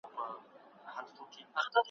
اوس دي بېغمه ګرځي ښاغلي ,